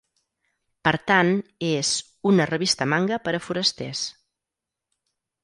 Per tant, és "una revista manga per a forasters".